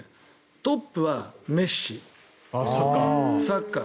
トップはメッシ、サッカー。